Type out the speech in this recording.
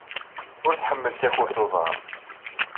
Ur tḥemmel takurt n uḍar.